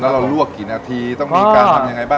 เราลวกกี่นาทีต้องมีการทำยังไงบ้าง